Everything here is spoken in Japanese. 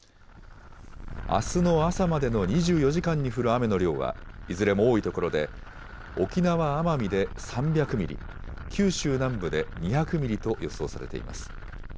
あすの朝までの２４時間に降る雨の量は、いずれも多い所で、沖縄・奄美で３００ミリ、九州南部で２００ミリと予想されています。